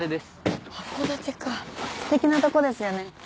すてきなとこですよね。